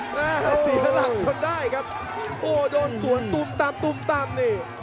เฮ้อสีมระหลักจนได้ครับโอ้โดนสวนตุมตำตุมตำนี้